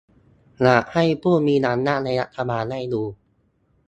อยากให้ผู้มีอำนาจในรัฐบาลได้ดู